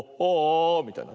みたいな。